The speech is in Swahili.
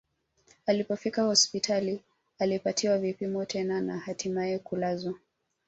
Alipofika hospitali alipatiwa vipimo tena na hatimae kulazwa